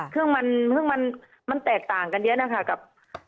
เครื่องมันแตกต่างกันเยอะนะค่ะกับ